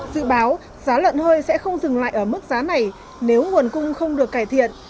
dự báo giá lợn hơi sẽ không dừng lại ở mức giá này nếu nguồn cung không được cải thiện